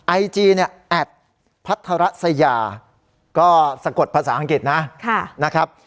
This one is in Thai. ไอจีเนี่ยแอดพัทรัสยาก็สะกดภาษาอังกฤษนะครับ